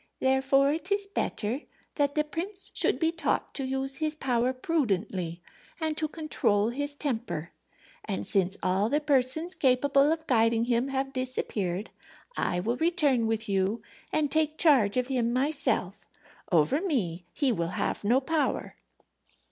"Therefore it is better that the prince should be taught to use his power prudently and to control his temper. And since all the persons capable of guiding him have disappeared, I will return with you and take charge of him myself. Over me he will have no power."